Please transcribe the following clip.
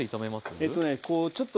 えっとね